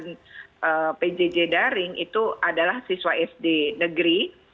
dan pjj daring itu adalah siswa sd negeri